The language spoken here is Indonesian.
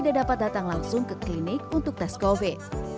tidak dapat datang langsung ke klinik untuk tes covid sembilan belas